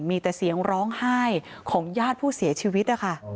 มีแต่เสียงร้องไห้ของญาติผู้เสียชีวิตนะคะ